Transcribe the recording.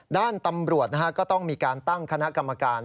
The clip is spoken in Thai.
ด้านตำรวจก็ต้องมีการตั้งคณะกรรมการ